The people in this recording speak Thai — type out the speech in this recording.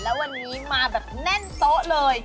แล้ววันนี้มาแบบแน่นโต๊ะเลย